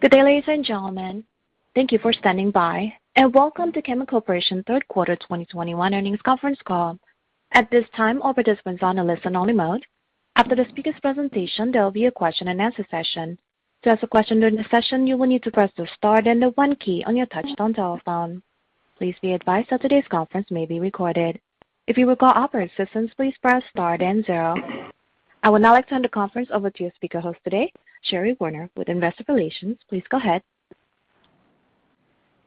Good day, ladies and gentlemen. Thank you for standing by and welcome to Chemed Corporation third quarter 2021 earnings conference call. At this time, all participants are on a listen only mode. After the speakers presentation, there will be a question-and-answer session. To ask a question during the session, you will need to press the star, then the one key on your touchtone telephone. Please be advised that today's conference may be recorded. If you require operator assistance, please press star then zero. I would now like to hand the conference over to your speaker host today, Sherri Warner with Investor Relations. Please go ahead.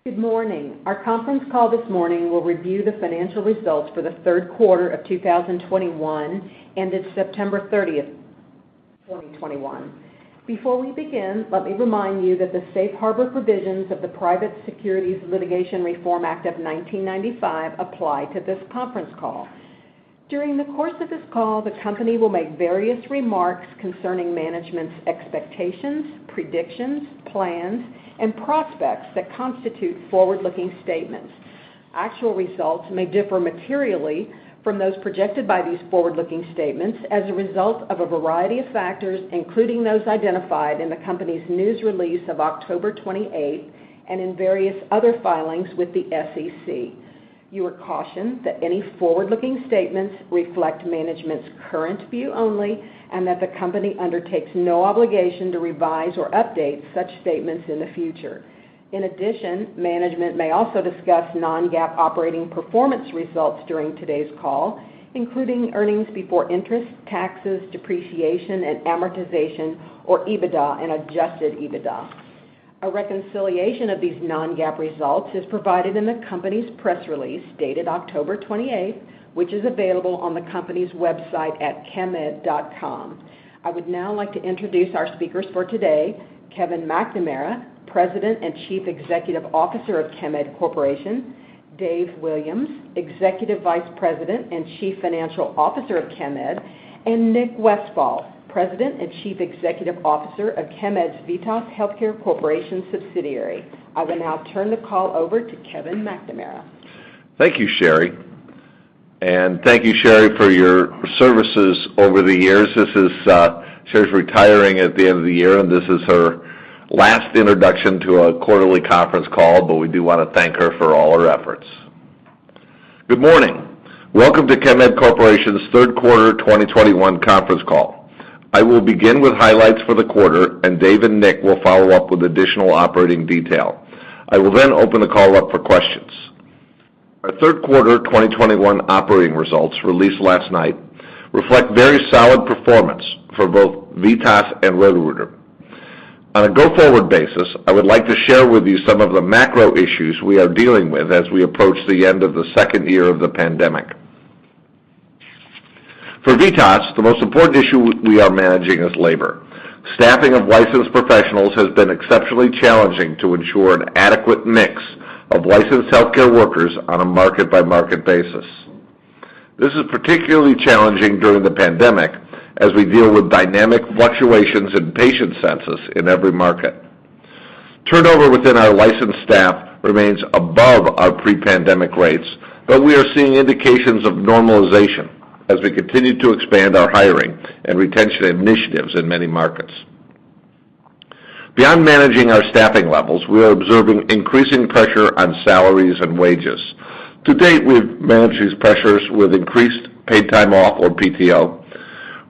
Good morning. Our conference call this morning will review the financial results for the third quarter of 2021 ended September 30th, 2021. Before we begin, let me remind you that the safe harbor provisions of the Private Securities Litigation Reform Act of 1995 apply to this conference call. During the course of this call, the company will make various remarks concerning management's expectations, predictions, plans and prospects that constitute forward-looking statements. Actual results may differ materially from those projected by these forward-looking statements as a result of a variety of factors, including those identified in the company's news release of October 28th and in various other filings with the SEC. You are cautioned that any forward-looking statements reflect management's current view only, and that the company undertakes no obligation to revise or update such statements in the future. In addition, management may also discuss non-GAAP operating performance results during today's call, including earnings before interest, taxes, depreciation and amortization, or EBITDA and adjusted EBITDA. A reconciliation of these non-GAAP results is provided in the company's press release dated October 28th, which is available on the company's website at chemed.com. I would now like to introduce our speakers for today, Kevin McNamara, President and Chief Executive Officer of Chemed Corporation, Dave Williams, Executive Vice President and Chief Financial Officer of Chemed, and Nick Westfall, President and Chief Executive Officer of Chemed's VITAS Healthcare Corporation subsidiary. I will now turn the call over to Kevin McNamara. Thank you, Sherri. Thank you, Sherri, for your services over the years. This is Sherri's retiring at the end of the year, and this is her last introduction to a quarterly conference call, but we do want to thank her for all her efforts. Good morning. Welcome to Chemed Corporation's third quarter 2021 conference call. I will begin with highlights for the quarter, and Dave and Nick will follow up with additional operating detail. I will then open the call up for questions. Our third quarter 2021 operating results released last night reflect very solid performance for both VITAS and Roto-Rooter. On a go-forward basis, I would like to share with you some of the macro issues we are dealing with as we approach the end of the second year of the pandemic. For VITAS, the most important issue we are managing is labor. Staffing of licensed professionals has been exceptionally challenging to ensure an adequate mix of licensed healthcare workers on a market-by-market basis. This is particularly challenging during the pandemic as we deal with dynamic fluctuations in patient census in every market. Turnover within our licensed staff remains above our pre-pandemic rates, but we are seeing indications of normalization as we continue to expand our hiring and retention initiatives in many markets. Beyond managing our staffing levels, we are observing increasing pressure on salaries and wages. To date, we've managed these pressures with increased paid time off or PTO.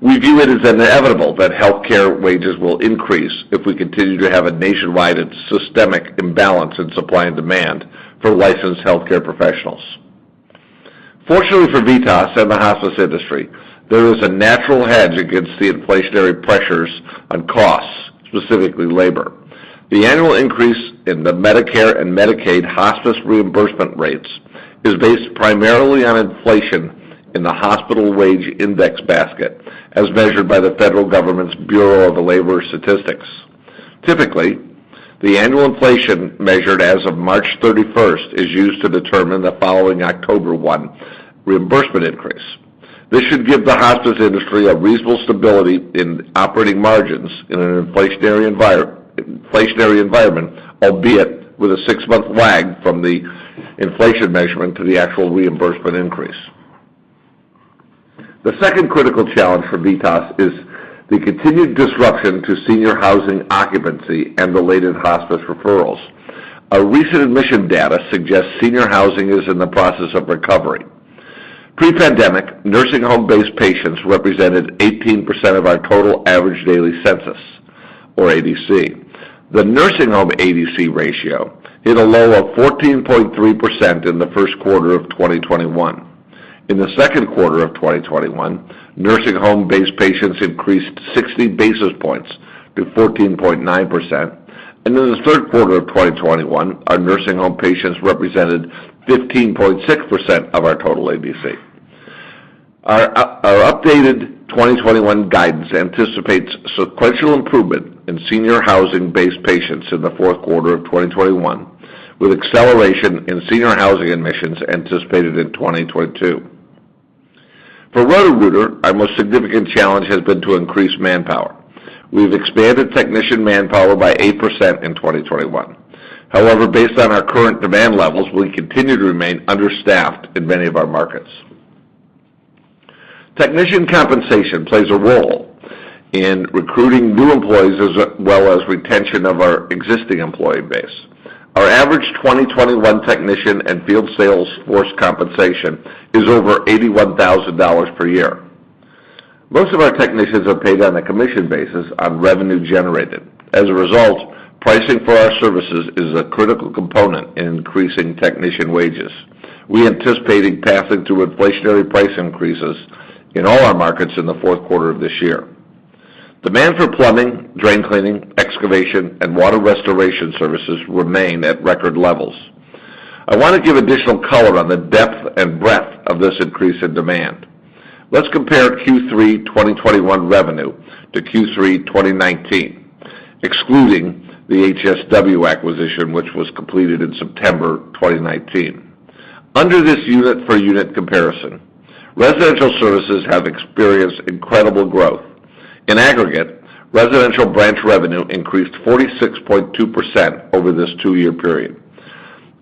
We view it as inevitable that healthcare wages will increase if we continue to have a nationwide and systemic imbalance in supply and demand for licensed healthcare professionals. Fortunately for VITAS and the hospice industry, there is a natural hedge against the inflationary pressures on costs, specifically labor. The annual increase in the Medicare and Medicaid hospice reimbursement rates is based primarily on inflation in the hospital market basket as measured by the federal government's Bureau of Labor Statistics. Typically, the annual inflation measured as of March 31st is used to determine the following October 1st reimbursement increase. This should give the hospice industry a reasonable stability in operating margins in an inflationary environment, albeit with a six-month lag from the inflation measurement to the actual reimbursement increase. The second critical challenge for VITAS is the continued disruption to senior housing occupancy and delayed hospice referrals. Our recent admission data suggests senior housing is in the process of recovery. Pre-pandemic, nursing home-based patients represented 18% of our total average daily census or ADC. The nursing home ADC ratio hit a low of 14.3% in the first quarter of 2021. In the second quarter of 2021, nursing home-based patients increased 60 basis points to 14.9%. In the third quarter of 2021, our nursing home patients represented 15.6% of our total ADC. Our updated 2021 guidance anticipates sequential improvement in senior housing-based patients in the fourth quarter of 2021, with acceleration in senior housing admissions anticipated in 2022. For Roto-Rooter, our most significant challenge has been to increase manpower. We've expanded technician manpower by 8% in 2021. However, based on our current demand levels, we continue to remain understaffed in many of our markets. Technician compensation plays a role in recruiting new employees as well as retention of our existing employee base. Our average 2021 technician and field sales force compensation is over $81,000 per year. Most of our technicians are paid on a commission basis on revenue generated. As a result, pricing for our services is a critical component in increasing technician wages. We anticipated passing through inflationary price increases in all our markets in the fourth quarter of this year. Demand for plumbing, drain cleaning, excavation, and water restoration services remain at record levels. I wanna give additional color on the depth and breadth of this increase in demand. Let's compare Q3 2021 revenue to Q3 2019, excluding the HSW acquisition, which was completed in September 2019. Under this unit-for-unit comparison, residential services have experienced incredible growth. In aggregate, residential branch revenue increased 46.2% over this two-year period.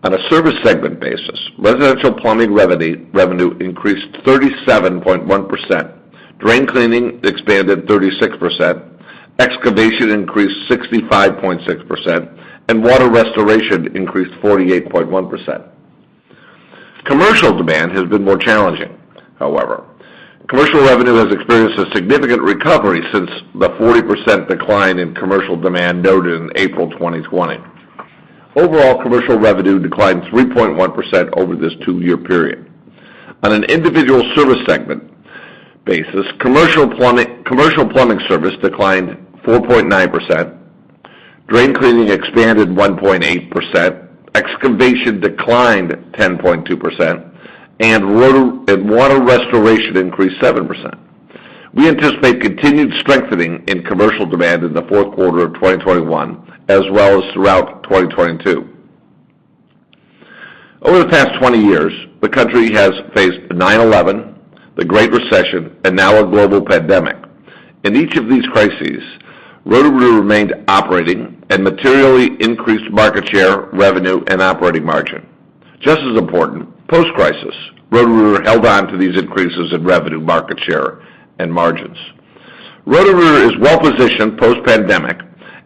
On a service segment basis, residential plumbing revenue increased 37.1%, drain cleaning expanded 36%, excavation increased 65.6%, and water restoration increased 48.1%. Commercial demand has been more challenging, however. Commercial revenue has experienced a significant recovery since the 40% decline in commercial demand noted in April 2020. Overall, commercial revenue declined 3.1% over this two-year period. On an individual service segment basis, commercial plumbing service declined 4.9%, drain cleaning expanded 1.8%, excavation declined 10.2%, and water restoration increased 7%. We anticipate continued strengthening in commercial demand in the fourth quarter of 2021, as well as throughout 2022. Over the past 20 years, the country has faced 9/11, the Great Recession, and now a global pandemic. In each of these crises, Roto-Rooter remained operating and materially increased market share, revenue, and operating margin. Just as important, post-crisis, Roto-Rooter held on to these increases in revenue, market share, and margins. Roto-Rooter is well-positioned post-pandemic,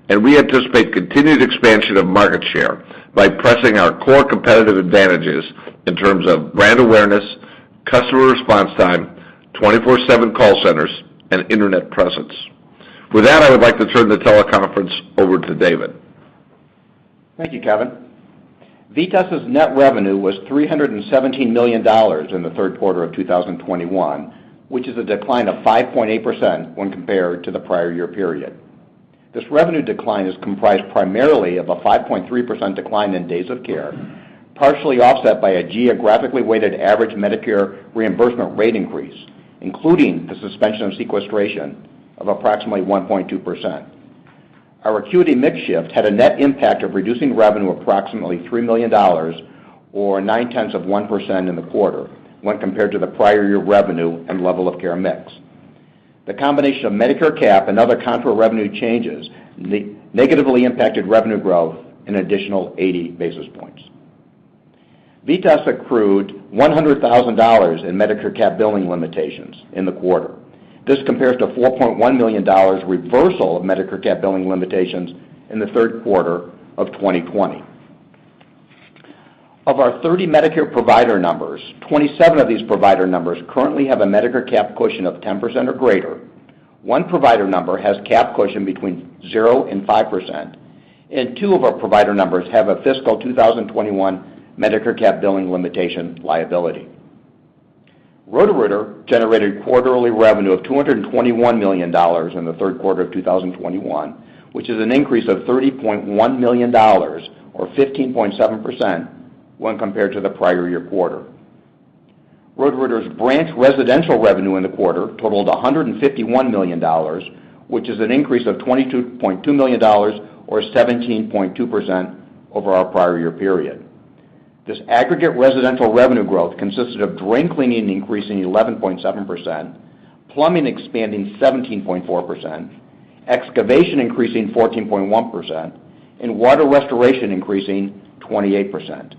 and we anticipate continued expansion of market share by pressing our core competitive advantages in terms of brand awareness, customer response time, 24/7 call centers, and internet presence. With that, I would like to turn the teleconference over to Dave Williams. Thank you, Kevin. VITAS' net revenue was $317 million in the third quarter of 2021, which is a decline of 5.8% when compared to the prior year period. This revenue decline is comprised primarily of a 5.3% decline in days of care, partially offset by a geographically weighted average Medicare reimbursement rate increase, including the suspension of sequestration of approximately 1.2%. Our acuity mix shift had a net impact of reducing revenue approximately $3 million or 0.9% in the quarter when compared to the prior year revenue and level of care mix. The combination of Medicare cap and other contra revenue changes negatively impacted revenue growth an additional 80 basis points. VITAS accrued $100,000 in Medicare cap billing limitations in the quarter. This compares to $4.1 million reversal of Medicare cap billing limitations in the third quarter of 2020. Of our 30 Medicare provider numbers, 27 of these provider numbers currently have a Medicare cap cushion of 10% or greater. One provider number has cap cushion between 0% and 5%, and two of our provider numbers have a fiscal 2021 Medicare cap billing limitation liability. Roto-Rooter generated quarterly revenue of $221 million in the third quarter of 2021, which is an increase of $30.1 million or 15.7% when compared to the prior year quarter. Roto-Rooter's branch residential revenue in the quarter totaled $151 million, which is an increase of $22.2 million or 17.2% over our prior year period. This aggregate residential revenue growth consisted of drain cleaning increasing 11.7%, plumbing expanding 17.4%, excavation increasing 14.1%, and water restoration increasing 28%.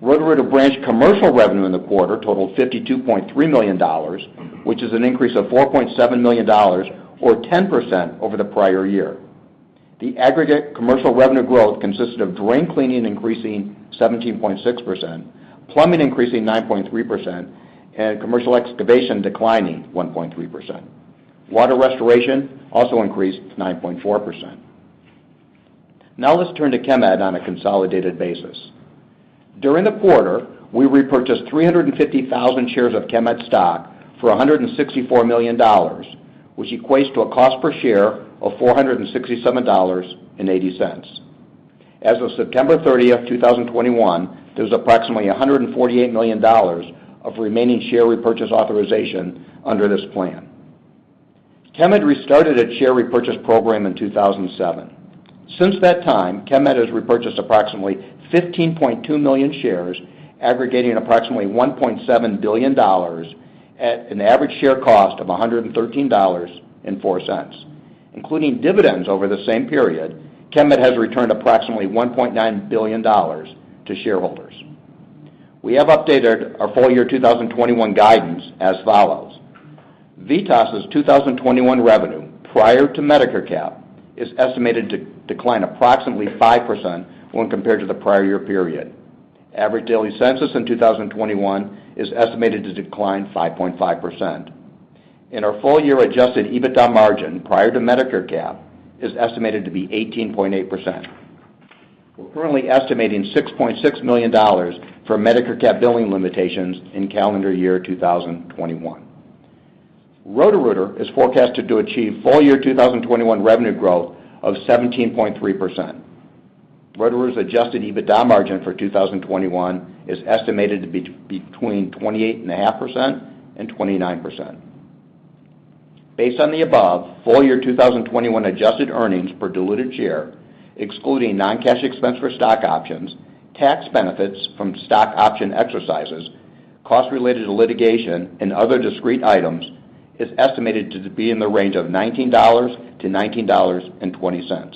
Roto-Rooter branch commercial revenue in the quarter totaled $52.3 million, which is an increase of $4.7 million or 10% over the prior year. The aggregate commercial revenue growth consisted of drain cleaning increasing 17.6%, plumbing increasing 9.3%, and commercial excavation declining 1.3%. Water restoration also increased 9.4%. Now let's turn to Chemed on a consolidated basis. During the quarter, we repurchased 350,000 shares of Chemed stock for $164 million, which equates to a cost per share of $467.80. As of September 30th, 2021, there was approximately $148 million of remaining share repurchase authorization under this plan. Chemed restarted its share repurchase program in 2007. Since that time, Chemed has repurchased approximately 15.2 million shares, aggregating approximately $1.7 billion at an average share cost of $113.04. Including dividends over the same period, Chemed has returned approximately $1.9 billion to shareholders. We have updated our full year 2021 guidance as follows. VITAS' 2021 revenue prior to Medicare cap is estimated to decline approximately 5% when compared to the prior year period. Average daily census in 2021 is estimated to decline 5.5%. Our full year adjusted EBITDA margin prior to Medicare cap is estimated to be 18.8%. We're currently estimating $6.6 million for Medicare cap billing limitations in calendar year 2021. Roto-Rooter is forecasted to achieve full year 2021 revenue growth of 17.3%. Roto-Rooter's adjusted EBITDA margin for 2021 is estimated to be between 28.5% and 29%. Based on the above, full year 2021 adjusted earnings per diluted share, excluding non-cash expense for stock options, tax benefits from stock option exercises, costs related to litigation and other discrete items, is estimated to be in the range of $19-$19.20.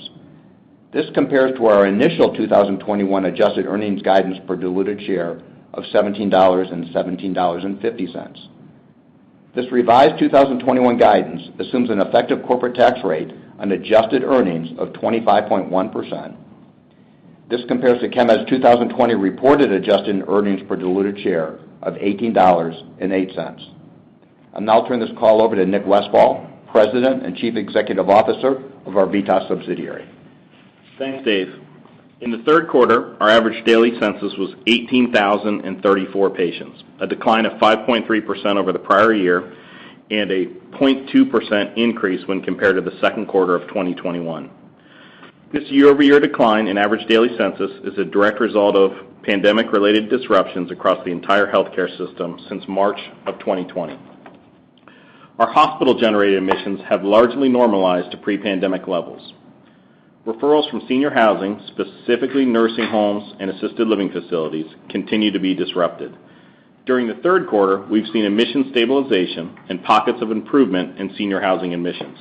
This compares to our initial 2021 adjusted earnings guidance per diluted share of $17-$17.50. This revised 2021 guidance assumes an effective corporate tax rate on adjusted earnings of 25.1%. This compares to Chemed's 2020 reported adjusted earnings per diluted share of $18.08. I'll now turn this call over to Nick Westfall, President and Chief Executive Officer of our VITAS subsidiary. Thanks, Dave. In the third quarter, our average daily census was 18,034 patients, a decline of 5.3% over the prior year, and a 0.2% increase when compared to the second quarter of 2021. This year-over-year decline in average daily census is a direct result of pandemic-related disruptions across the entire healthcare system since March of 2020. Our hospital-generated admissions have largely normalized to pre-pandemic levels. Referrals from senior housing, specifically nursing homes and assisted living facilities, continue to be disrupted. During the third quarter, we've seen admission stabilization and pockets of improvement in senior housing admissions.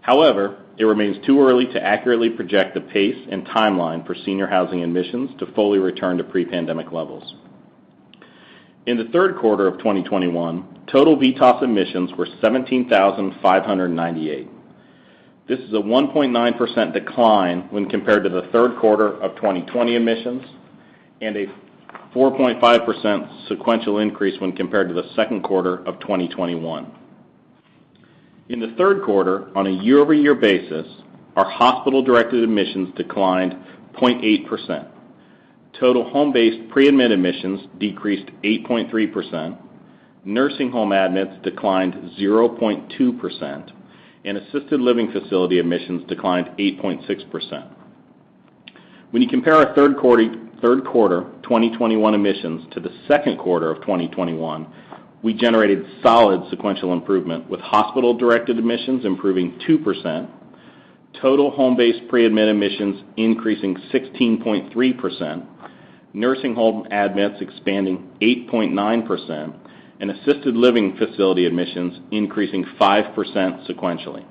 However, it remains too early to accurately project the pace and timeline for senior housing admissions to fully return to pre-pandemic levels. In the third quarter of 2021, total VITAS admissions were 17,598. This is a 1.9% decline when compared to the third quarter of 2020 admissions, and a 4.5% sequential increase when compared to the second quarter of 2021. In the third quarter, on a year-over-year basis, our hospital-directed admissions declined 0.8%. Total home-based pre-admit admissions decreased 8.3%. Nursing home admits declined 0.2%, and assisted living facility admissions declined 8.6%. When you compare our third quarter, third quarter 2021 admissions to the second quarter of 2021, we generated solid sequential improvement, with hospital-directed admissions improving 2%, total home-based pre-admit admissions increasing 16.3%, nursing home admits expanding 8.9%, and assisted living facility admissions increasing 5% sequentially.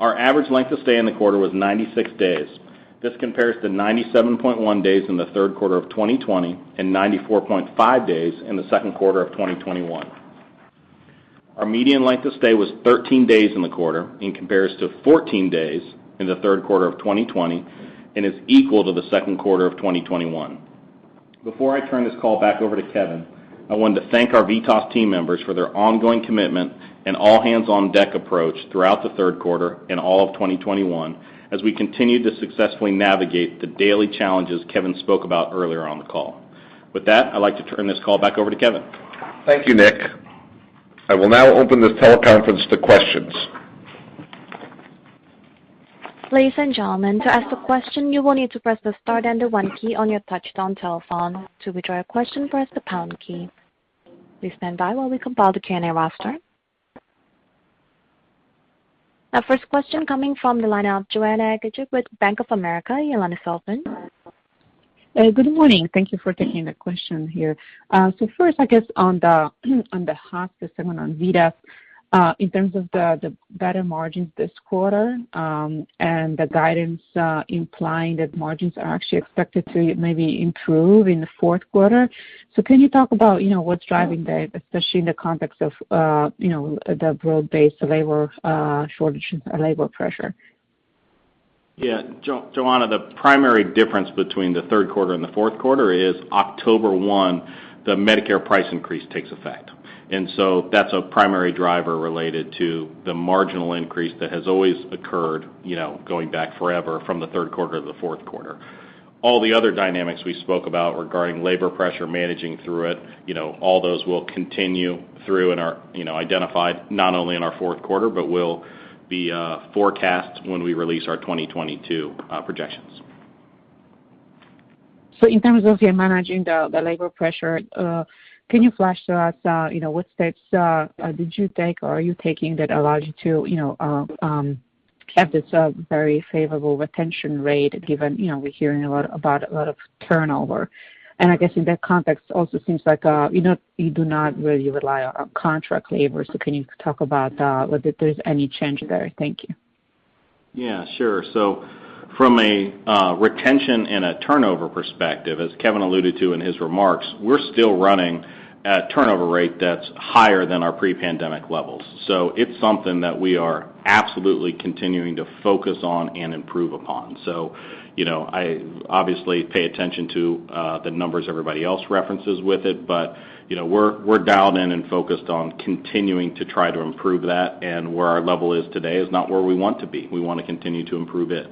Our average length of stay in the quarter was 96 days. This compares to 97.1 days in the third quarter of 2020 and 94.5 days in the second quarter of 2021. Our median length of stay was 13 days in the quarter and compares to 14 days in the third quarter of 2020 and is equal to the second quarter of 2021. Before I turn this call back over to Kevin, I wanted to thank our VITAS team members for their ongoing commitment and all-hands-on-deck approach throughout the third quarter and all of 2021 as we continue to successfully navigate the daily challenges Kevin spoke about earlier on the call. With that, I'd like to turn this call back over to Kevin. Thank you, Nick. I will now open this teleconference to questions. Our first question coming from the line of Joanna Gajuk with Bank of America. Good morning. Thank you for taking the question here. First, I guess on the hospice segment on VITAS, in terms of the better margins this quarter, and the guidance implying that margins are actually expected to maybe improve in the fourth quarter. Can you talk about, you know, what's driving that, especially in the context of, you know, the broad-based labor shortage, labor pressure? Yeah. Joanna, the primary difference between the third quarter and the fourth quarter is October 1st, the Medicare price increase takes effect. That's a primary driver related to the marginal increase that has always occurred, you know, going back forever from the third quarter to the fourth quarter. All the other dynamics we spoke about regarding labor pressure, managing through it, you know, all those will continue through and are, you know, identified not only in our fourth quarter, but will be forecast when we release our 2022 projections. In terms of you managing the labor pressure, can you flesh out for us what steps did you take or are you taking that allows you to keep this very favorable retention rate given we're hearing a lot about a lot of turnover. I guess in that context it also seems like you do not really rely on contract labor. Can you talk about whether there's any change there? Thank you. Yeah, sure. From a retention and a turnover perspective, as Kevin alluded to in his remarks, we're still running at turnover rate that's higher than our pre-pandemic levels. It's something that we are absolutely continuing to focus on and improve upon. You know, I obviously pay attention to the numbers everybody else references with it. You know, we're dialed in and focused on continuing to try to improve that, and where our level is today is not where we want to be. We wanna continue to improve it.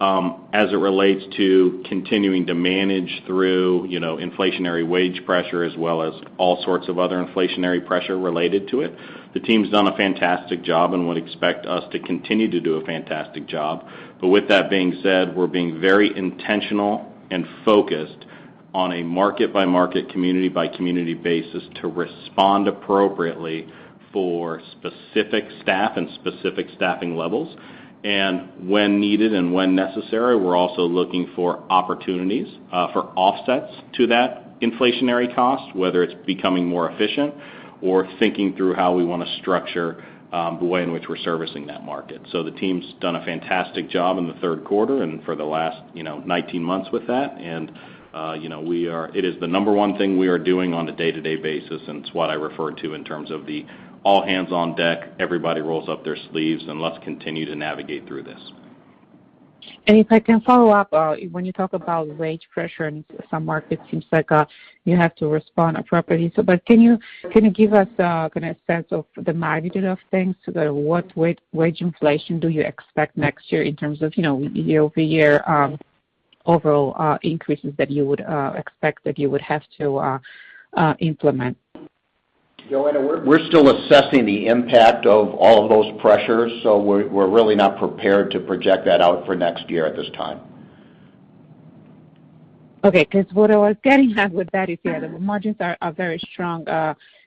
As it relates to continuing to manage through, you know, inflationary wage pressure as well as all sorts of other inflationary pressure related to it, the team's done a fantastic job and would expect us to continue to do a fantastic job. with that being said, we're being very intentional and focused on a market-by-market, community-by-community basis to respond appropriately for specific staff and specific staffing levels. When needed and when necessary, we're also looking for opportunities for offsets to that inflationary cost, whether it's becoming more efficient or thinking through how we wanna structure the way in which we're servicing that market. The team's done a fantastic job in the third quarter and for the last, you know, 19 months with that. You know, it is the number one thing we are doing on a day-to-day basis, and it's what I refer to in terms of the all hands on deck, everybody rolls up their sleeves, and let's continue to navigate through this. If I can follow up, when you talk about wage pressure in some markets, seems like you have to respond appropriately. Can you give us kind of sense of the magnitude of things? What wage inflation do you expect next year in terms of, you know, year-over-year, overall increases that you would implement? Joanna, we're still assessing the impact of all of those pressures, so we're really not prepared to project that out for next year at this time. Okay. 'Cause what I was getting at with that is, yeah, the margins are very strong,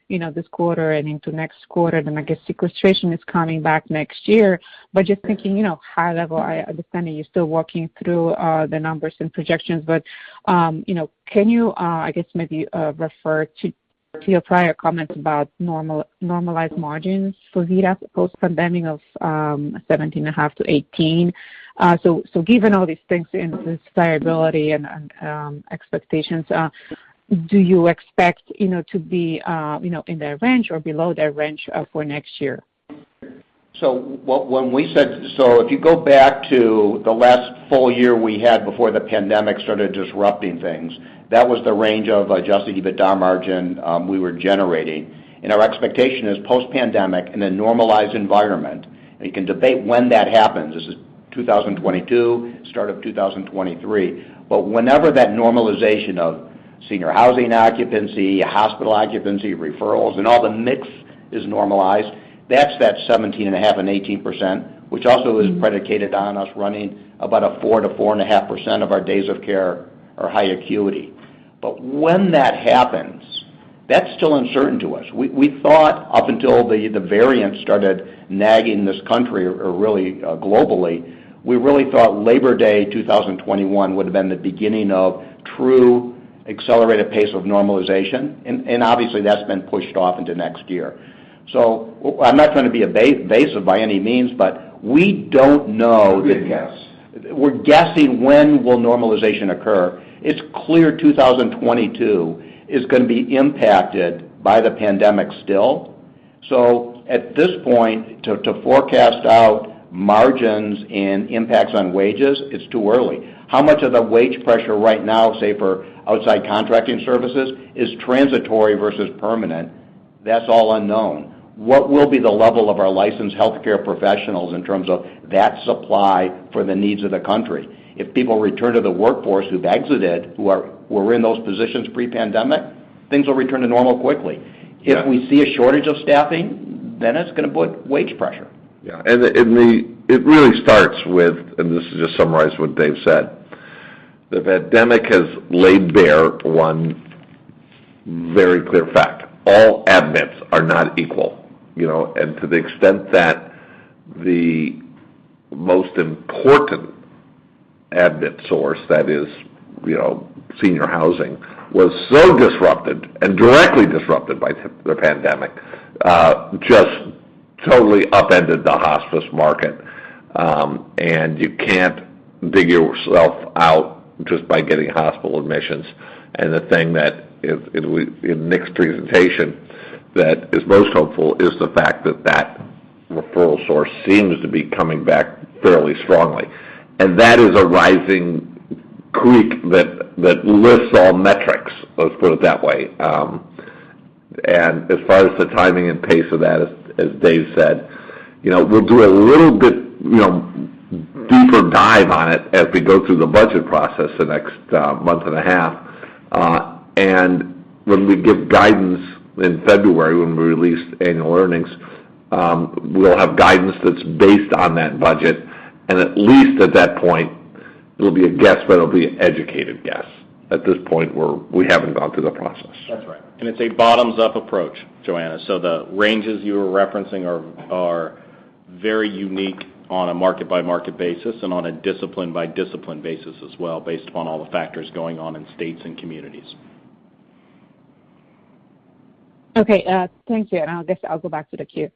you know, this quarter and into next quarter, then I guess sequestration is coming back next year. Just thinking, you know, high level, I understand that you're still walking through the numbers and projections. You know, can you, I guess maybe, refer to your prior comments about normalized margins for VITAS post-pandemic of 17.5%-18%? So given all these things and this variability and expectations, do you expect, you know, to be, you know, in that range or below that range, for next year? If you go back to the last full year we had before the pandemic started disrupting things, that was the range of adjusted EBITDA margin we were generating. Our expectation is post-pandemic in a normalized environment, and you can debate when that happens. This is 2022, start of 2023. Whenever that normalization of senior housing occupancy, hospital occupancy, referrals, and all the mix is normalized, that's that 17.5%-18%, which also is predicated on us running about a 4%-4.5% of our days of care are high acuity. When that happens, that's still uncertain to us. We thought up until the variant started raging this country or really globally, we really thought Labor Day 2021 would have been the beginning of true accelerated pace of normalization. Obviously, that's been pushed off into next year. I'm not trying to be evasive by any means, but we don't know the We're guessing. We're guessing when will normalization occur? It's clear 2022 is gonna be impacted by the pandemic still. At this point, to forecast out margins and impacts on wages, it's too early. How much of the wage pressure right now, say, for outside contracting services is transitory versus permanent? That's all unknown. What will be the level of our licensed healthcare professionals in terms of that supply for the needs of the country? If people return to the workforce who've exited, who were in those positions pre-pandemic, things will return to normal quickly. If we see a shortage of staffing, then it's gonna put wage pressure. It really starts with, and this is just summarize what Dave said, the pandemic has laid bare one very clear fact: all admits are not equal, you know. To the extent that the most important admit source that is, you know, senior housing, was so disrupted and directly disrupted by the pandemic, just totally upended the hospice market. You can't dig yourself out just by getting hospital admissions. The thing that in Nick's presentation that is most hopeful is the fact that that referral source seems to be coming back fairly strongly. That is a rising tide that lifts all metrics, let's put it that way. As far as the timing and pace of that, as Dave said, you know, we'll do a little bit, you know, deeper dive on it as we go through the budget process the next month and a half. When we give guidance in February, when we release annual earnings, we'll have guidance that's based on that budget. At least at that point it'll be a guess, but it'll be an educated guess. At this point, we haven't gone through the process. That's right. It's a bottoms-up approach, Joanna. The ranges you were referencing are very unique on a market-by-market basis and on a discipline-by-discipline basis as well, based upon all the factors going on in states and communities. Okay. Thank you. I guess I'll go back to the queue.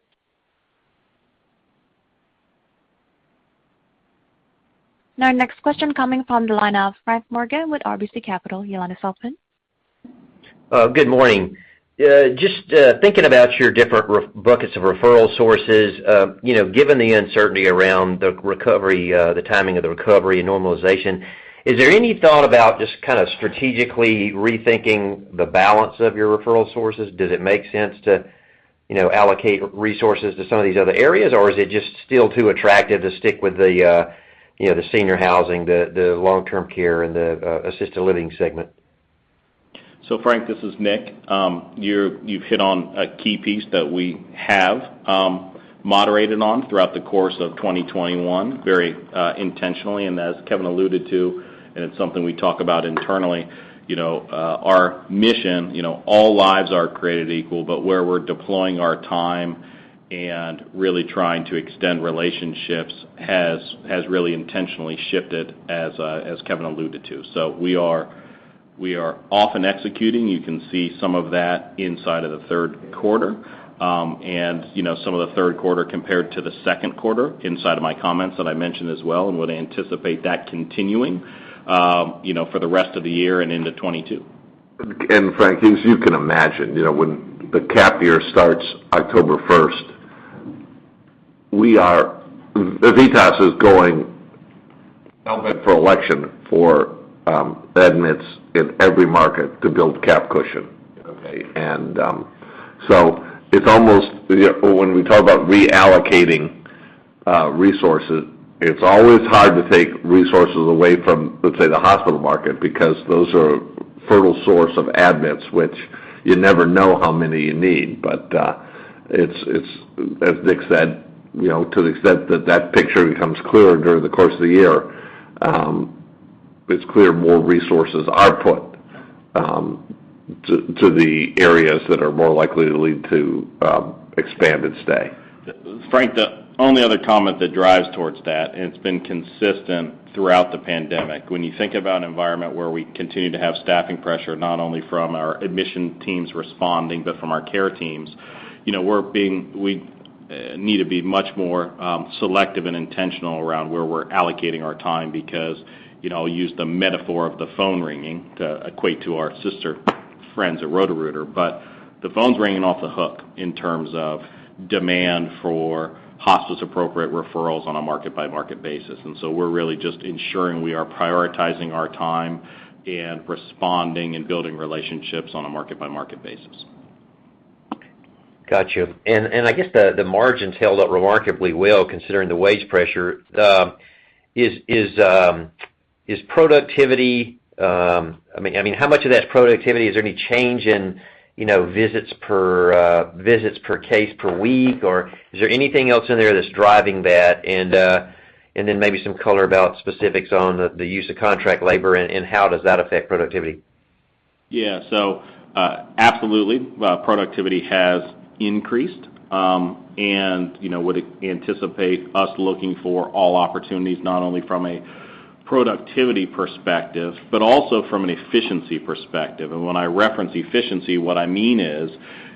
Now, next question coming from the line of Frank Morgan with RBC Capital. Your line is open. Good morning. Just thinking about your different buckets of referral sources, you know, given the uncertainty around the recovery, the timing of the recovery and normalization, is there any thought about just kinda strategically rethinking the balance of your referral sources? Does it make sense to, you know, allocate resources to some of these other areas, or is it just still too attractive to stick with the, you know, the senior housing, the long-term care, and the assisted living segment? Frank, this is Nick. You've hit on a key piece that we have moderated on throughout the course of 2021 very intentionally. As Kevin alluded to, and it's something we talk about internally, you know, our mission, you know, all lives are created equal, but where we're deploying our time and really trying to extend relationships has really intentionally shifted as Kevin alluded to. We are off and executing. You can see some of that inside of the third quarter. You know, some of the third quarter compared to the second quarter inside of my comments that I mentioned as well, and would anticipate that continuing, you know, for the rest of the year and into 2022. Frank, as you can imagine, you know, when the cap year starts October 1st, VITAS is going hell-bent for election for admits in every market to build cap cushion. Okay. It's almost, you know, when we talk about reallocating resources, it's always hard to take resources away from, let's say, the hospital market because those are fertile source of admits, which you never know how many you need. It's, as Nick said, you know, to the extent that that picture becomes clearer during the course of the year, it's clear more resources are put to the areas that are more likely to lead to expanded stay. Frank, the only other comment that drives towards that, and it's been consistent throughout the pandemic. When you think about an environment where we continue to have staffing pressure, not only from our admission teams responding, but from our care teams, you know, we need to be much more selective and intentional around where we're allocating our time because, you know, I'll use the metaphor of the phone ringing to equate to our sister firm at Roto-Rooter. The phone's ringing off the hook in terms of demand for hospice-appropriate referrals on a market-by-market basis. We're really just ensuring we are prioritizing our time and responding and building relationships on a market-by-market basis. Got you. I guess the margins held up remarkably well considering the wage pressure. Is productivity? I mean, how much of that's productivity? Is there any change in, you know, visits per case per week? Or is there anything else in there that's driving that? Maybe some color about specifics on the use of contract labor and how does that affect productivity? Yeah. Absolutely, productivity has increased. You know, would anticipate us looking for all opportunities not only from a productivity perspective, but also from an efficiency perspective. When I reference efficiency, what I mean is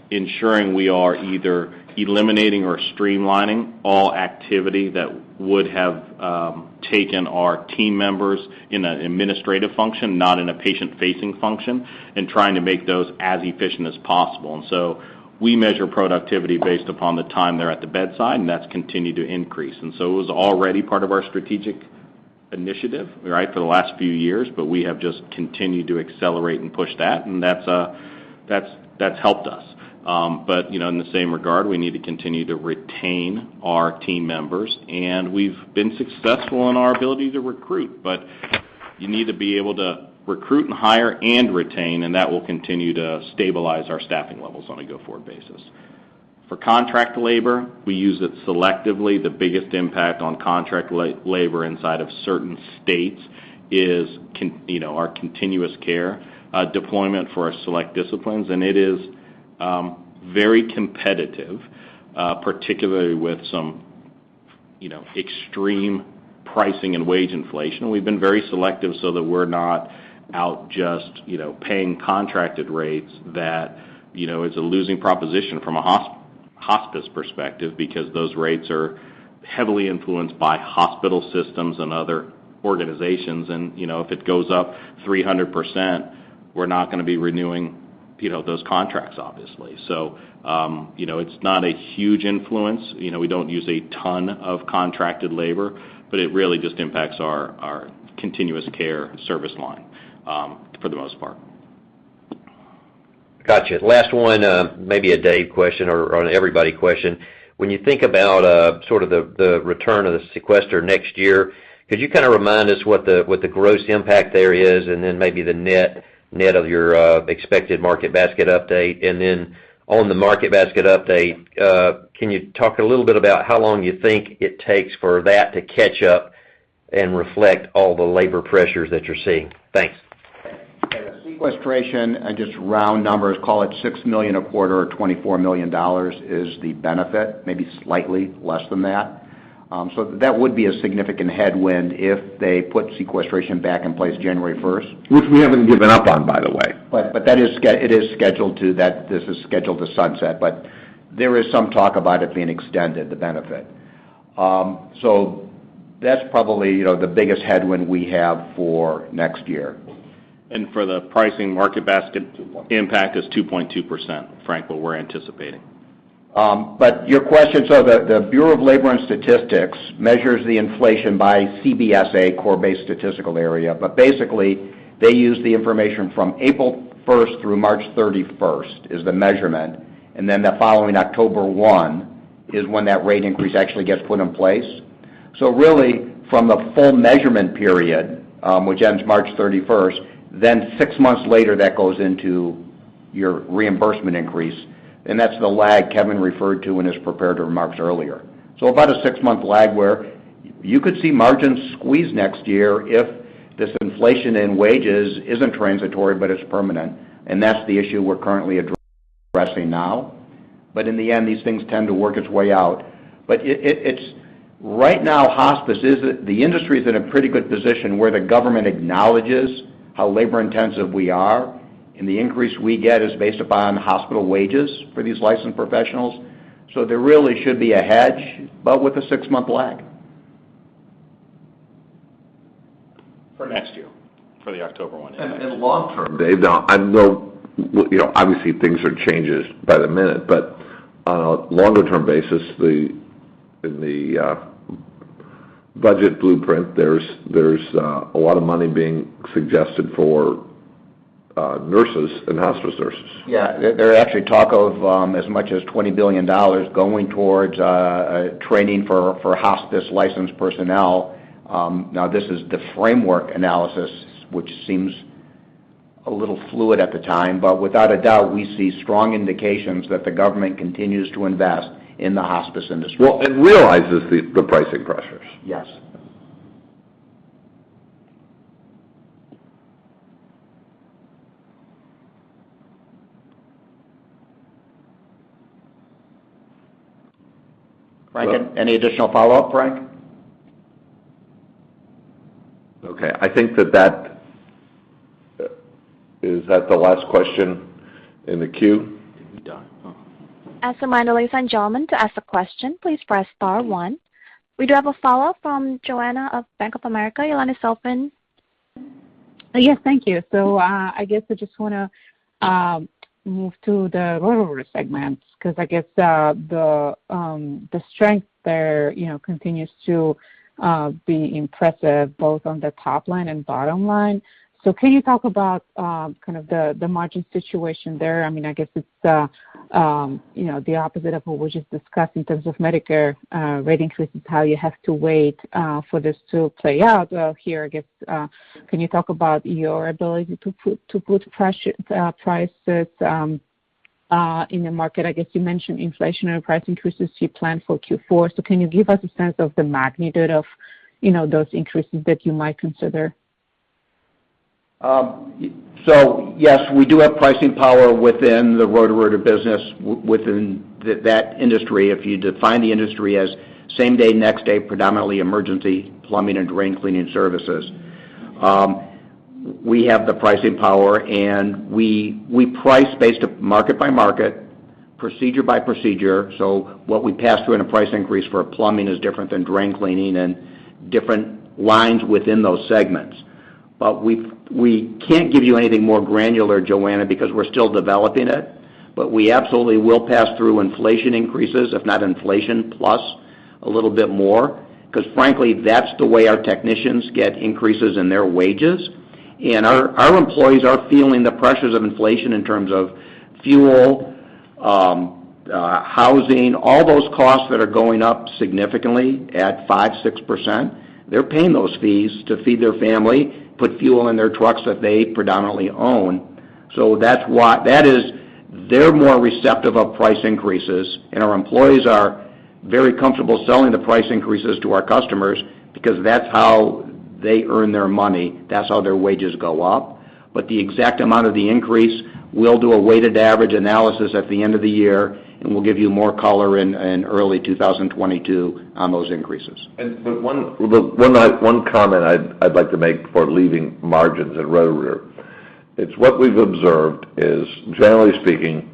ensuring we are either eliminating or streamlining all activity that would have taken our team members in an administrative function, not in a patient-facing function, and trying to make those as efficient as possible. We measure productivity based upon the time they're at the bedside, and that's continued to increase. It was already part of our strategic initiative, right? For the last few years, but we have just continued to accelerate and push that, and that's helped us. You know, in the same regard, we need to continue to retain our team members, and we've been successful in our ability to recruit. You need to be able to recruit and hire and retain, and that will continue to stabilize our staffing levels on a go-forward basis. For contract labor, we use it selectively. The biggest impact on contract labor inside of certain states is, you know, our continuous care deployment for our select disciplines. It is very competitive, particularly with some, you know, extreme pricing and wage inflation. We've been very selective so that we're not out just, you know, paying contracted rates that, you know, is a losing proposition from a hospice perspective because those rates are heavily influenced by hospital systems and other organizations. You know, if it goes up 300%, we're not gonna be renewing, you know, those contracts obviously. You know, it's not a huge influence. You know, we don't use a ton of contracted labor, but it really just impacts our continuous care service line, for the most part. Gotcha. Last one, maybe a Dave question or an everybody question. When you think about, sort of the return of the sequestration next year, could you kinda remind us what the gross impact there is, and then maybe the net of your expected market basket update? On the market basket update, can you talk a little bit about how long you think it takes for that to catch up and reflect all the labor pressures that you're seeing? Thanks. Yeah, the sequestration and just round numbers, call it $6 million a quarter or $24 million is the benefit, maybe slightly less than that. That would be a significant headwind if they put sequestration back in place January 1st. Which we haven't given up on, by the way. This is scheduled to sunset, but there is some talk about it being extended, the benefit. That's probably, you know, the biggest headwind we have for next year. For the pricing market basket impact is 2.2%, Frank, what we're anticipating. Your question, the Bureau of Labor Statistics measures the inflation by CBSA, Core-Based Statistical Area. Basically, they use the information from April 1st through March 31st is the measurement, and then the following October 1st is when that rate increase actually gets put in place. Really, from the full measurement period, which ends March 31st, then six months later, that goes into your reimbursement increase, and that's the lag Kevin referred to in his prepared remarks earlier. About a six-month lag where you could see margins squeeze next year if this inflation in wages isn't transitory, but it's permanent, and that's the issue we're currently addressing now. In the end, these things tend to work its way out. The industry is in a pretty good position where the government acknowledges how labor-intensive we are, and the increase we get is based upon hospital wages for these licensed professionals. There really should be a hedge, but with a six-month lag. For next year, for the October 1st. Long term, Dave, I know, you know, obviously things are changing by the minute, but on a longer term basis, in the budget blueprint, there's a lot of money being suggested for nurses and hospice nurses. Yeah, there are actually talks of as much as $20 billion going towards training for hospice-licensed personnel. Now, this is the framework analysis, which seems a little fluid at the time, but without a doubt, we see strong indications that the government continues to invest in the hospice industry. Well, realizes the pricing pressures. Yes. Frank, any additional follow-up, Frank? Okay. I think that is the last question in the queue? Are we done? We do have a follow-up from Joanna of Bank of America. Joanna, your line is open. Yes. Thank you. I guess I just wanna move to the Roto-Rooter segments, because I guess the strength there, you know, continues to be impressive, both on the top line and bottom line. Can you talk about kind of the margin situation there? I mean, I guess it's, you know, the opposite of what we just discussed in terms of Medicare rate increases, how you have to wait for this to play out. Well, here, I guess, can you talk about your ability to put prices in the market? I guess you mentioned inflationary price increases you plan for Q4. Can you give us a sense of the magnitude of, you know, those increases that you might consider? Yes, we do have pricing power within the Roto-Rooter business within that industry. If you define the industry as same day, next day, predominantly emergency plumbing and drain cleaning services. We have the pricing power, and we price based on market by market, procedure by procedure. What we pass through in a price increase for plumbing is different than drain cleaning and different lines within those segments. We can't give you anything more granular, Joanna, because we're still developing it. We absolutely will pass through inflation increases, if not inflation plus a little bit more, because frankly, that's the way our technicians get increases in their wages. Our employees are feeling the pressures of inflation in terms of fuel, housing, all those costs that are going up significantly at 5%-6%. They're paying those fees to feed their family, put fuel in their trucks that they predominantly own. That's why they're more receptive to price increases, and our employees are very comfortable selling the price increases to our customers because that's how they earn their money. That's how their wages go up. The exact amount of the increase, we'll do a weighted average analysis at the end of the year, and we'll give you more color in early 2022 on those increases. One comment I'd like to make before leaving margins at Roto-Rooter. It's what we've observed is, generally speaking,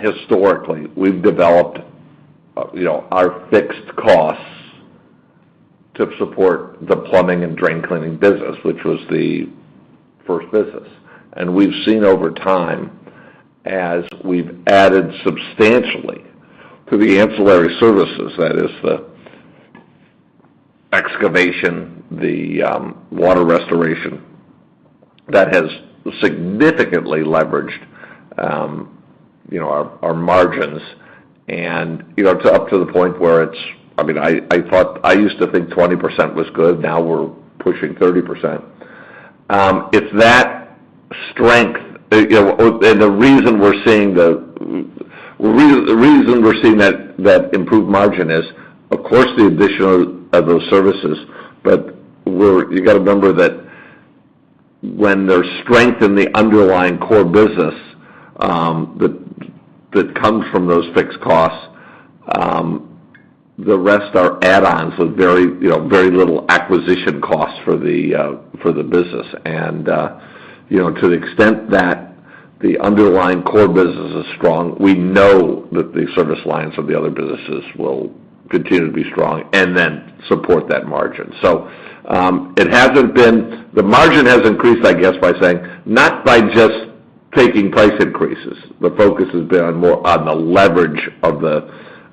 historically, we've developed, you know, our fixed costs to support the plumbing and drain cleaning business, which was the first business. We've seen over time, as we've added substantially to the ancillary services, that is the excavation, the water restoration, that has significantly leveraged, you know, our margins and, you know, to the point where it's. I mean, I thought I used to think 20% was good. Now we're pushing 30%. It's that strength, you know, and the reason we're seeing that improved margin is, of course, the addition of those services. You gotta remember that when there's strength in the underlying core business, that comes from those fixed costs. The rest are add-ons with very, you know, very little acquisition costs for the business. You know, to the extent that the underlying core business is strong, we know that the service lines of the other businesses will continue to be strong and then support that margin. The margin has increased, I guess, by saying, not by just taking price increases. The focus has been more on the leverage of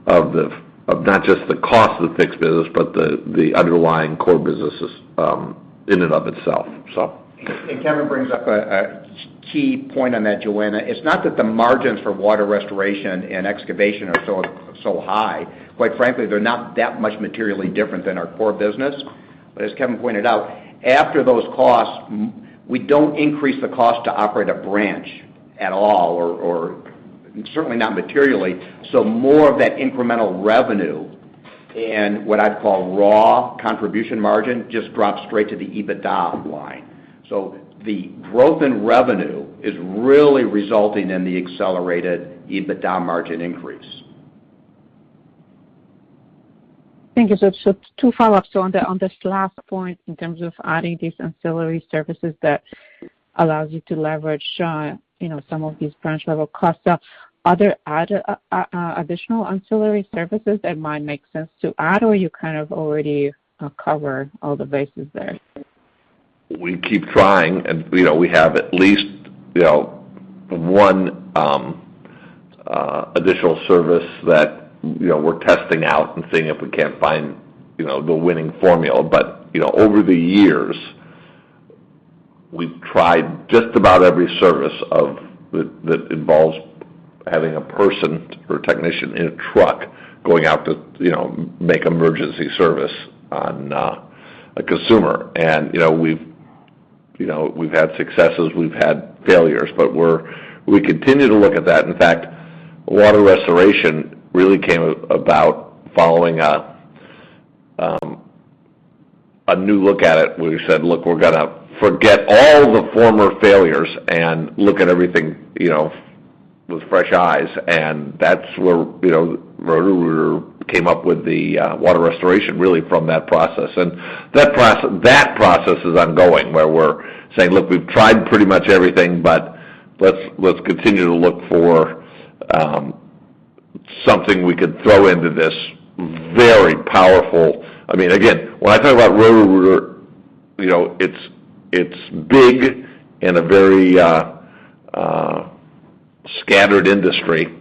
not just the cost of the fixed business, but the underlying core businesses in and of itself. Kevin brings up a key point on that, Joanna. It's not that the margins for water restoration and excavation are so high. Quite frankly, they're not that much materially different than our core business. As Kevin pointed out, after those costs, we don't increase the cost to operate a branch at all or certainly not materially. More of that incremental revenue and what I'd call raw contribution margin just drops straight to the EBITDA line. The growth in revenue is really resulting in the accelerated EBITDA margin increase. Thank you. Two follow-ups on this last point, in terms of adding these ancillary services that allows you to leverage, you know, some of these branch level costs. Are there other, additional ancillary services that might make sense to add or you kind of already cover all the bases there? We keep trying and, you know, we have at least, you know, one additional service that, you know, we're testing out and seeing if we can't find, you know, the winning formula. You know, over the years, we've tried just about every service that involves having a person or a technician in a truck going out to, you know, make emergency service on a consumer. You know, we've had successes, we've had failures, but we continue to look at that. In fact, water restoration really came about following a new look at it. We said, "Look, we're gonna forget all the former failures and look at everything, you know, with fresh eyes." That's where, you know, Roto-Rooter came up with the water restoration really from that process. That process is ongoing, where we're saying, "Look, we've tried pretty much everything, but let's continue to look for something we could throw into this very powerful." I mean, again, when I talk about Roto-Rooter, you know, it's big in a very scattered industry,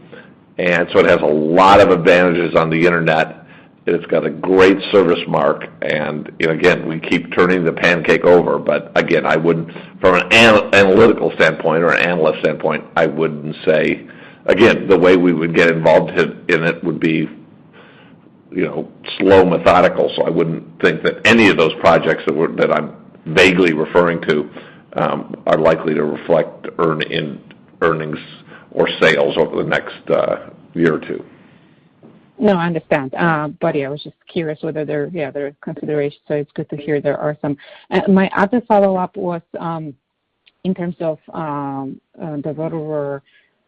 and so it has a lot of advantages on the internet. It's got a great service mark and, you know, again, we keep turning the pancake over. Again, I wouldn't from an analytical standpoint or an analyst standpoint, I wouldn't say. Again, the way we would get involved in it would be, you know, slow, methodical. I wouldn't think that any of those projects that I'm vaguely referring to are likely to reflect earnings or sales over the next year or two. No, I understand. Yeah, I was just curious whether there are considerations, so it's good to hear there are some. My other follow-up was in terms of the Roto-Rooter,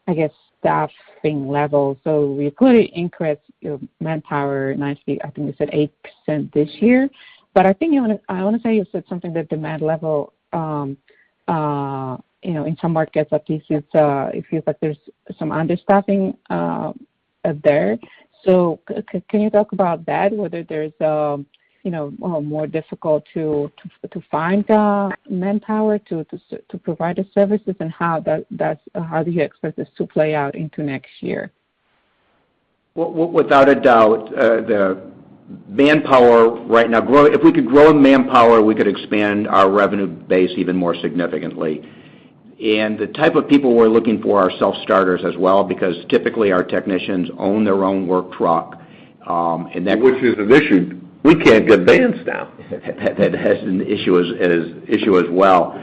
I guess, staffing level. You clearly increased your manpower nicely, I think you said 8% this year. I think I wanna say you said something about the demand level, you know, in some markets at least it feels like there's some understaffing there. Can you talk about that, whether it's more difficult to find manpower to provide the services and how do you expect this to play out into next year? Without a doubt, if we could grow manpower, we could expand our revenue base even more significantly. The type of people we're looking for are self-starters as well, because typically our technicians own their own work truck, and that- Which is an issue. We can't get vans now. That has been an issue as well.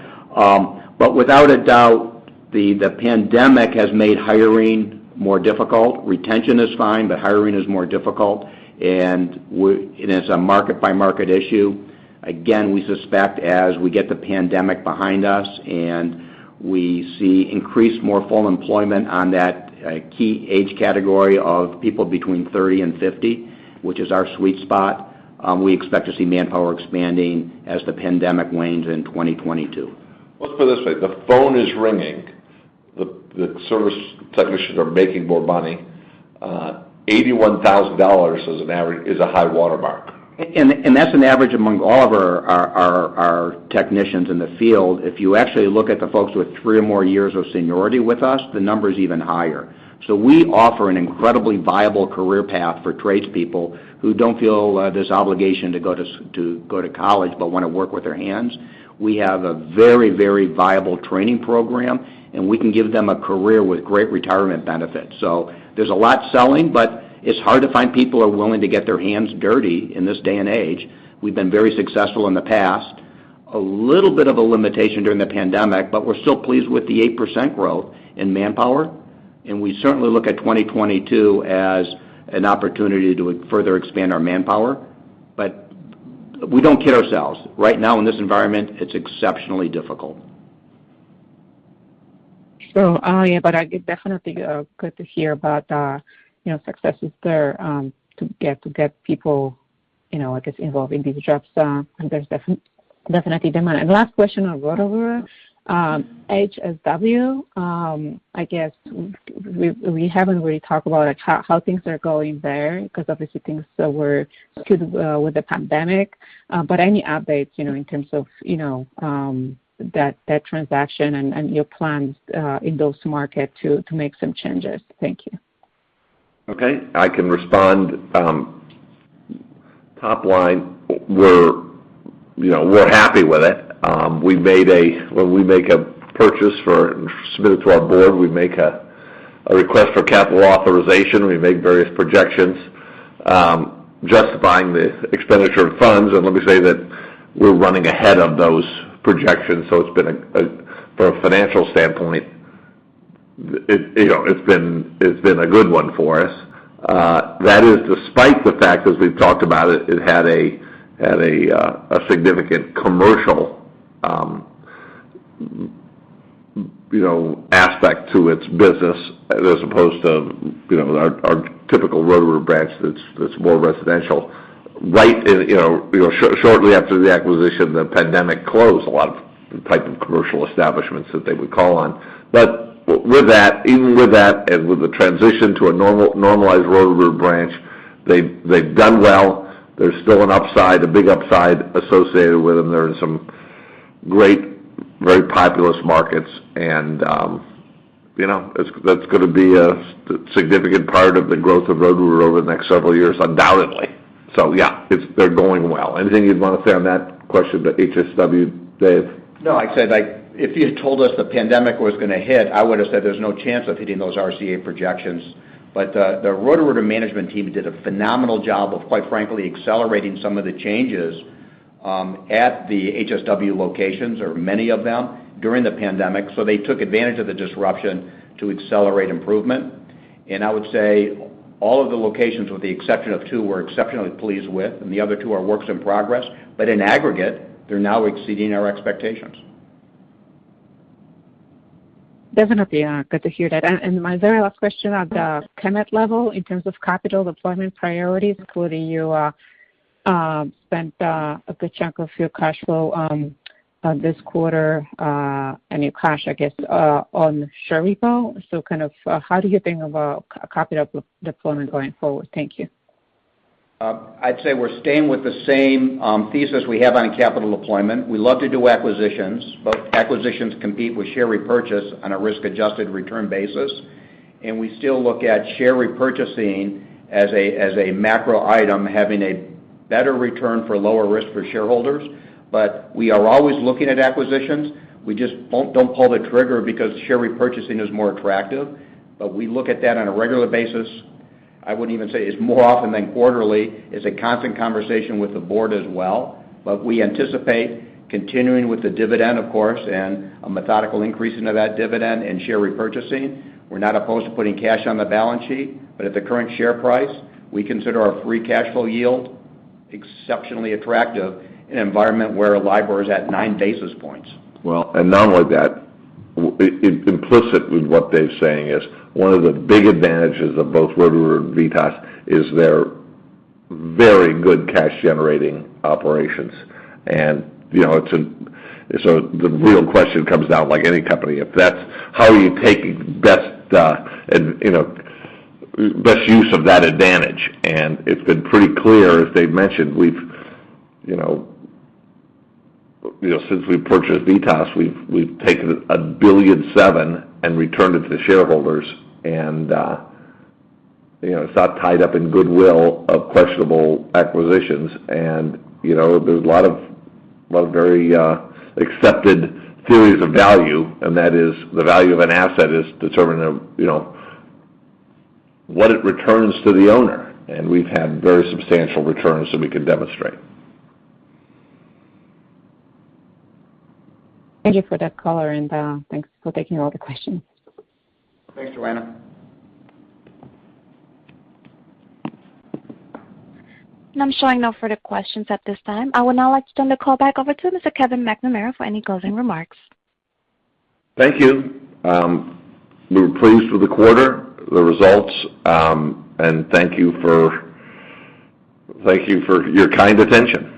Without a doubt, the pandemic has made hiring more difficult. Retention is fine, but hiring is more difficult, and it's a market-by-market issue. Again, we suspect as we get the pandemic behind us and we see an increase to more full employment in that key age category of people between 30 and 50, which is our sweet spot, we expect to see manpower expanding as the pandemic wanes in 2022. Let's put it this way. The phone is ringing. The service technicians are making more money. $81,000 as an average is a high watermark. That's an average among all of our technicians in the field. If you actually look at the folks with three or more years of seniority with us, the number is even higher. We offer an incredibly viable career path for tradespeople who don't feel this obligation to go to college, but wanna work with their hands. We have a very viable training program. We can give them a career with great retirement benefits. There's a lot selling, but it's hard to find people who are willing to get their hands dirty in this day and age. We've been very successful in the past. A little bit of a limitation during the pandemic, but we're still pleased with the 8% growth in manpower, and we certainly look at 2022 as an opportunity to further expand our manpower. We don't kid ourselves. Right now in this environment, it's exceptionally difficult. Definitely good to hear about, you know, successes there to get people, you know, I guess, involved in these jobs. There's definitely demand. Last question on Roto-Rooter. HSW, I guess we haven't really talked about how things are going there because obviously things were skewed with the pandemic. Any updates, you know, in terms of, you know, that transaction and your plans in those markets to make some changes? Thank you. Okay. I can respond. Top line, you know, we're happy with it. When we make a purchase, we submit to our board a request for capital authorization. We make various projections justifying the expenditure of funds. Let me say that we're running ahead of those projections, so it's been a good one for us from a financial standpoint, you know. That is despite the fact, as we've talked about it had a significant commercial, you know, aspect to its business as opposed to, you know, our typical Roto-Rooter branch that's more residential. Right, you know, shortly after the acquisition, the pandemic closed a lot of types of commercial establishments that they would call on. With that, even with that, and with the transition to a normalized Roto-Rooter branch, they've done well. There's still an upside, a big upside associated with them. They're in some great, very populous markets. You know, that's gonna be a significant part of the growth of Roto-Rooter over the next several years, undoubtedly. Yeah, it's. They're going well. Anything you'd want to say on that question about HSW, Dave? No, I'd say, like, if you'd told us the pandemic was gonna hit, I would have said there's no chance of hitting those RCA projections. The Roto-Rooter management team did a phenomenal job of, quite frankly, accelerating some of the changes at the HSW locations or many of them during the pandemic. They took advantage of the disruption to accelerate improvement. I would say all of the locations with the exception of two were exceptionally pleased with, and the other two are works in progress. In aggregate, they're now exceeding our expectations. Definitely good to hear that. My very last question on the Chemed level in terms of capital deployment priorities, including you spent a good chunk of your cash flow this quarter and your cash, I guess, on share repurchase. Kind of, how do you think about capital deployment going forward? Thank you. I'd say we're staying with the same thesis we have on capital deployment. We love to do acquisitions, but acquisitions compete with share repurchase on a risk-adjusted return basis. We still look at share repurchasing as a macro item having a better return for lower risk for shareholders. We are always looking at acquisitions. We just don't pull the trigger because share repurchasing is more attractive. We look at that on a regular basis. I would even say it's more often than quarterly. It's a constant conversation with the board as well. We anticipate continuing with the dividend, of course, and a methodical increase into that dividend and share repurchasing. We're not opposed to putting cash on the balance sheet, but at the current share price, we consider our free cash flow yield exceptionally attractive in an environment where Libor is at nine basis points. Not only that, implicit in what Dave's saying is one of the big advantages of both Roto-Rooter and VITAS is they're very good cash-generating operations. You know, the real question comes down to, like any company, how you best use that advantage. It's been pretty clear, as Dave mentioned, you know, since we purchased VITAS, we've taken $1.7 billion and returned it to the shareholders. You know, it's not tied up in goodwill of questionable acquisitions. You know, there's a lot of very accepted theories of value, and that is the value of an asset is determined by what it returns to the owner. We've had very substantial returns that we can demonstrate. Thank you for that color, and thanks for taking all the questions. Thanks, Joanna. I'm showing no further questions at this time. I would now like to turn the call back over to Mr. Kevin McNamara for any closing remarks. Thank you. We're pleased with the quarter, the results, and thank you for your kind attention.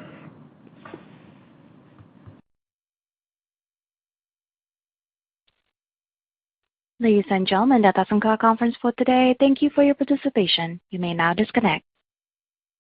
Ladies and gentlemen, that does conclude our conference call today. Thank you for your participation. You may now disconnect.